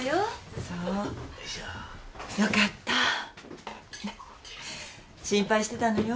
そうよかった心配してたのよ